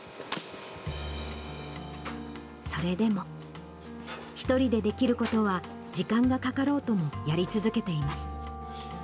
それでも、１人でできることは時間がかかろうともやり続けています。